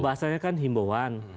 bahasanya kan himbauan